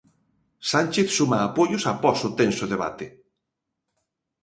'Sánchez suma apoios após o tenso debate'.